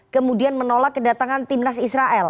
kemudian menolak ke u dua puluh dan kemudian menolak ke u dua puluh